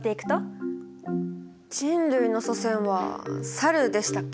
人類の祖先はサルでしたっけ？